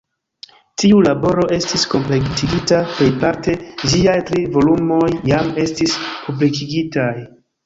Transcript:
Tiu laboro estis kompletigita plejparte; ĝiaj tri volumoj jam estis publikigitaj.